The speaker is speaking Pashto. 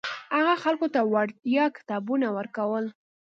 هغه خلکو ته وړیا کتابونه ورکول.